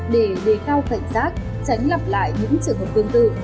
để đề cao cảnh giác tránh lặp lại những trường hợp tương tự